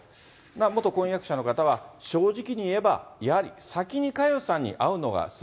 元婚約者の方は、正直に言えば、やはり先に佳代さんと会うのが筋。